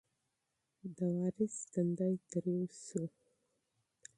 د وارث تندی تریو شو.